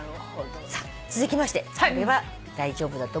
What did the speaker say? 続きましてこれは大丈夫だと思いますよ。